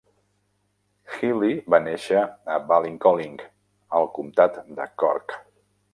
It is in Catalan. Healy va néixer a Ballincollig, al comtat de Cork.